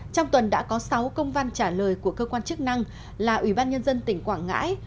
trong tuần đã có sáu công văn trả lời của cơ quan chức năng là ủy ban nhân dân tỉnh quảng ngãi